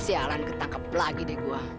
sialan ketangkep lagi deh gue